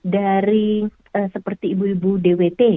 dari seperti ibu ibu dwt